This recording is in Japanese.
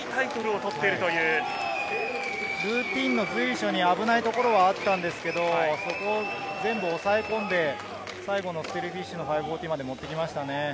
ルーティンの随所に危ないところはあったんですけど、そこを全部抑え込んで、最後のステイルフィッシュの５４０までもっていきましたね。